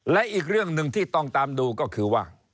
และอีกเรื่องหนึ่งที่ต้องตามดูก็คือว่า